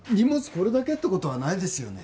これだけってことはないですよね